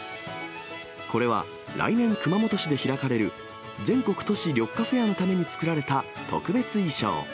これは、来年、熊本市で開かれる、全国都市緑化フェアのために作られた特別衣装。